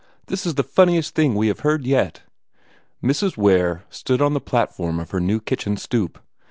This is the funniest thing we have heard yet!" Mrs. Ware stood on the platform of her new kitchen stoop.